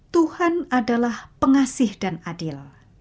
tuhan adalah pengasih dan adil